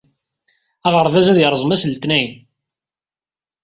Aɣerbaz ad yerẓem ass n letniyen.